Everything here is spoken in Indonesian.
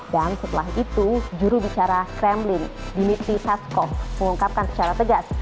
dan setelah itu jurubicara kremlin dmitri tashkov mengungkapkan secara tegas